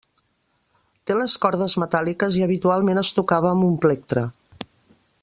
Té les cordes metàl·liques i habitualment es tocava amb un plectre.